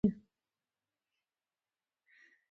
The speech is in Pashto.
زما پر زړه خاورې اوښتې دي؛ هر شی مې ژر هېرېږي.